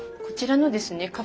こちらのですね